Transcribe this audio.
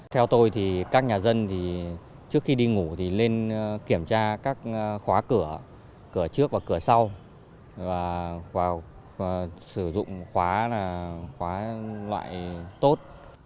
theo tôi thì các nhà dân thì trước khi đi ngủ thì nên kiểm tra các khóa cửa cửa trước và cửa sau và sử dụng khóa loại tốt